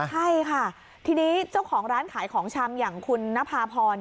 ใช่ค่ะทีนี้เจ้าของร้านขายของชำอย่างคุณนภาพร